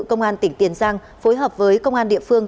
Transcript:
công an tỉnh tiền giang phối hợp với công an địa phương